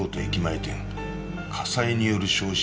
「火災による焼死。